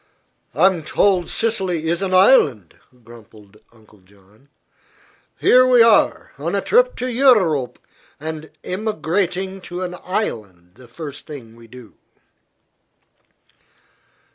"I'm told Sicily is an island," grumbled Uncle John. "Here we are, on a trip to Eu rope, and emigrating to an island the first thing we do."